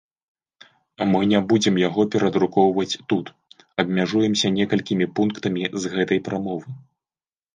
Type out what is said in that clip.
Мы не будзем яго перадрукоўваць тут, абмяжуемся некалькімі пунктамі з гэтай прамовы.